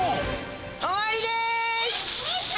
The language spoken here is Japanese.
終わりでーす。